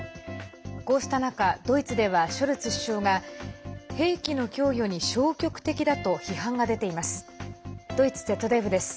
こうした中ドイツではショルツ首相が兵器の供与に消極的だと批判が出ています。